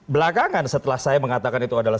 belakangan setelah saya mengatakan itu adalah